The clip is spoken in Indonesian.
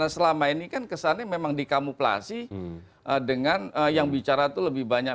selama ini kan kesannya memang dikamuplasi dengan yang bicara itu lebih banyak